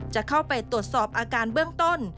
จะเข้าไปตรวจสอบอาการเบื้องต้น